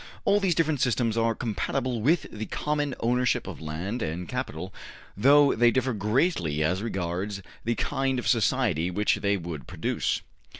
All these different systems are compatible with the common ownership of land and capital, though they differ greatly as regards the kind of society which they would produce.